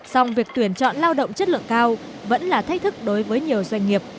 song việc tuyển chọn lao động chất lượng cao vẫn là thách thức đối với nhiều doanh nghiệp